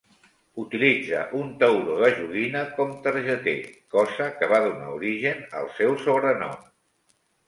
Utilitza un tauró de joguina com targeter, cosa que va donar origen al seu sobrenom.